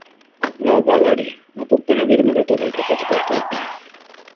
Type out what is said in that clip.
No, Valeri, no puc penedir-me de tot el que faig per tu.